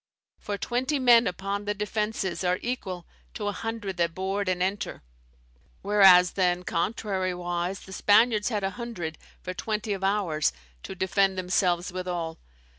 For, twenty men upon the defences are equal to a hundred that board and enter; whereas then, contrariwise, the Spaniards had a hundred, for twenty of ours, to defend themselves withall.